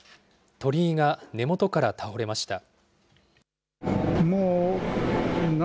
鳥居が根元から倒れました。